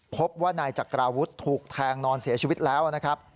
พบว่านายจักราวุฒิถูกแทงนอนเสียชีวิตแล้วนะครับ